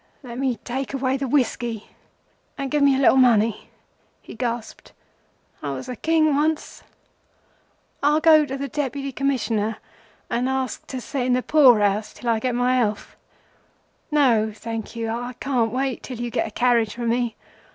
"Let me take away the whiskey, and give me a little money," he gasped. "I was a King once. I'll go to the Deputy Commissioner and ask to set in the Poor house till I get my health. No, thank you, I can't wait till you get a carriage for me.